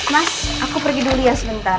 mas aku pergi dulu ya sebentar